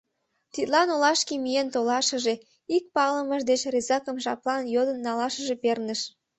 Тидлан олашке миен толашыже, ик палымыж деч резакым жаплан йодын налашыже перныш.